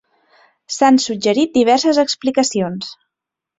S'han suggerit diverses explicacions.